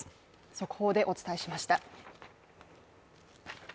速報でお伝えしました。